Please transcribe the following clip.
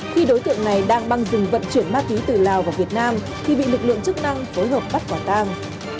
khi đối tượng này đang băng dừng vận chuyển ma túy từ lào vào việt nam thì bị lực lượng chức năng phối hợp bắt quả tang